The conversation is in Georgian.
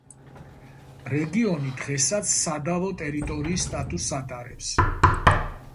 რეგიონი დღესაც სადავო ტერიტორის სტატუსს ატარებს.